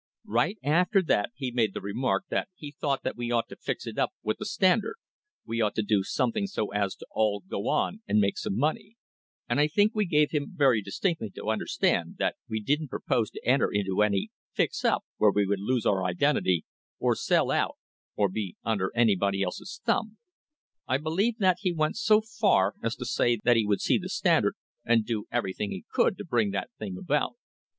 Right after that he made the remark that he thought that we ought to fix it up with the Standard; we ought to do something so as to all go on and make some money, and I think we gave him very distinctly to understand that we didn't propose to enter into any 'fix up' where we would lose our identity, or sell out, or be under anybody else's thumb. I believe that he went so far as to say that he would see the Standard, and do everything he could to bring that thing about.